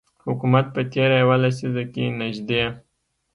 حکومت په تیره یوه لسیزه کې نږدې